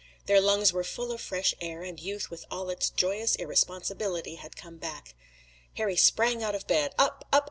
Their lungs were full of fresh air, and youth with all its joyous irresponsibility had come back. Harry sprang out of bed. "Up! up!